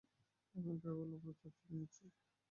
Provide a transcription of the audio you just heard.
এখন কেবল আমরা চারজন-ই আছি।